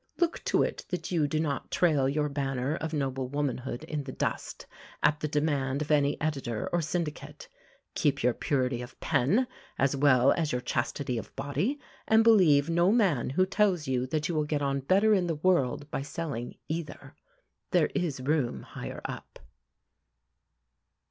Look to it that you do not trail your banner of noble womanhood in the dust, at the demand of any editor or syndicate. Keep your purity of pen, as well as your chastity of body, and believe no man who tells you that you will get on better in the world by selling either. There is room higher up.